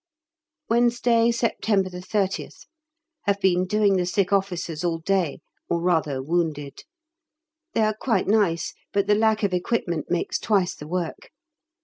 Wednesday, September 30th. Have been doing the sick officers all day (or rather wounded). They are quite nice, but the lack of equipment makes twice the work.